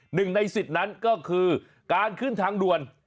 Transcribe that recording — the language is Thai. หนึ่งในสิทธิ์นั้นก็คือการขึ้นทางด่วน